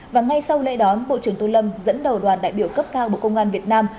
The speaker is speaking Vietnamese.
và ngay sau lễ đón bộ trưởng tô lâm dẫn đầu đoàn đại biểu cấp cao bộ công an việt nam